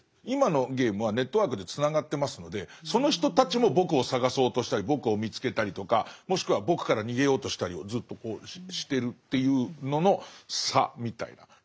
今のゲームはネットワークでつながってますのでその人たちも僕を探そうとしたり僕を見つけたりとかもしくは僕から逃げようとしたりをずっとしてるっていうのの差みたいな。